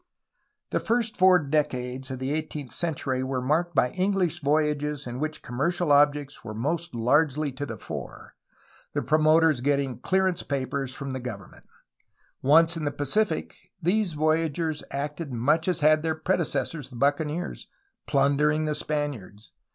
The first four decades of the eighteenth century were marked by English voyages in which commercial objects were most largely to the fore, the promoters getting clear 262 A HISTORY OF CALIFORNIA ance papers from the government. Once in the Pacific, these voyagers acted much as had their predecessors the buccaneers, plundering the Spaniards.